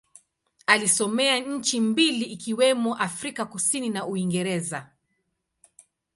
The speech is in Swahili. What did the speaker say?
Alisomea nchi mbili ikiwemo Afrika Kusini na Uingereza.